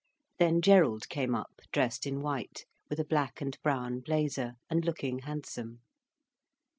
Then Gerald came up, dressed in white, with a black and brown blazer, and looking handsome.